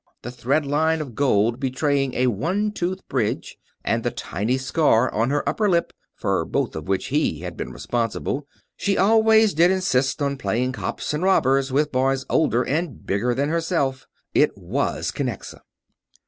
The thread line of gold betraying a one tooth bridge and the tiny scar on her upper lip, for both of which he had been responsible she always did insist on playing cops and robbers with boys older and bigger than herself it was Kinnexa!